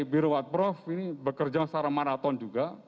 biro wat prof ini bekerja secara maraton juga